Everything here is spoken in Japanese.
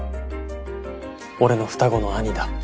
俺の双子の兄だ。